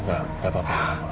udah gak gak apa apa